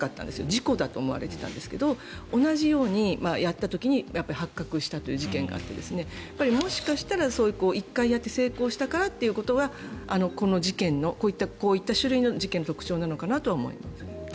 事故だと思われていたんですが同じようにやった時に発覚したという事件があってもしかしたら１回やって成功したからということはこの事件のこういった種類の事件の特徴なのかなとは思います。